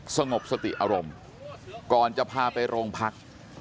สงบสติอารมณ์ก่อนจะพาไปโรงพัก